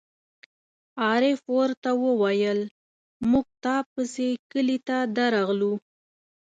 عارف ور ته وویل: مونږ تا پسې کلي ته درغلو.